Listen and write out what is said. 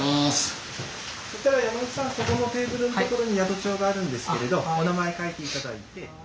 そしたら山口さんそこのテーブルの所に宿帳があるんですけれどお名前書いて頂いて。